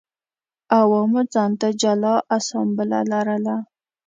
عوامو ځان ته جلا اسامبله لرله.